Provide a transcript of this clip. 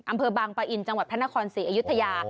อำเภอบางปะอินจังหวัดพระนครศรีอยุธยา